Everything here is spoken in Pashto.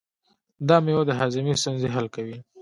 دا مېوه د هاضمې ستونزې حل کوي.